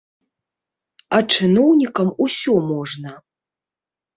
А чыноўнікам усё можна.